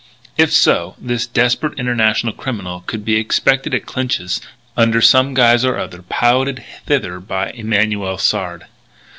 If so, this desperate international criminal could be expected at Clinch's under some guise or other, piloted thither by Emanuel Sard.